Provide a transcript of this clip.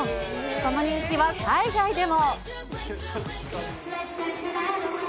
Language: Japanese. その人気は海外でも。